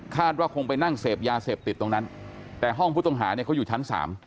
ว่าคงไปนั่งเสพยาเสพติดตรงนั้นแต่ห้องผู้ต้องหาเนี่ยเขาอยู่ชั้น๓